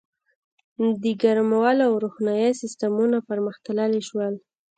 • د ګرمولو او روښنایۍ سیستمونه پرمختللي شول.